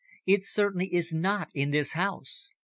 It certainly is not in this house."